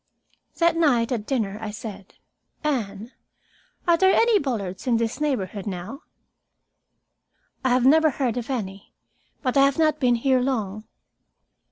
That night, at dinner, I said, "Anne, are there any Bullards in this neighborhood now?" "I have never heard of any. But I have not been here long."